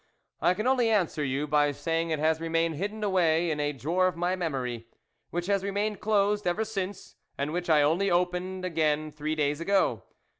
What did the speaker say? I can only answer you by say ing it has remained hidden away in a drawer of my memory, which has re mained closed ever since, and which I only opened again three days ago.